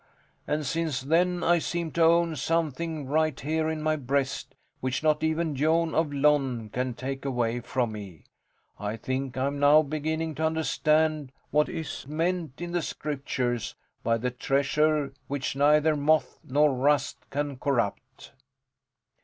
And since then I seem to own something right here in my breast which not even Jon of Lon can take away from me. I think I am now beginning to understand what is meant in the Scriptures by 'the treasure which neither moth nor rust can currupt.'